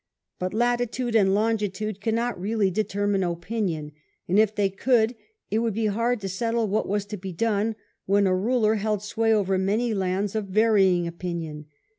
But latitude and longitude cannot really determine opinion, and if they could, it would be hard to settle what was to be done, when a ruler held sway over many lands of varying opinion.